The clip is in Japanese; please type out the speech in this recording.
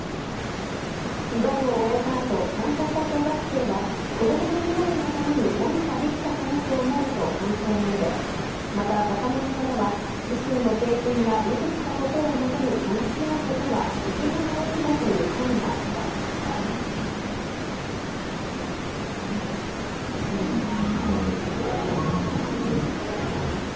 議論を終えたあと、参加した小学生は、こどもの未来のために何かできたかなと思うと、感想を述べ、また、若者からは、自身の経験や見てきたことをもとに話し合うことはとても大事だとお天気は杉江さんです。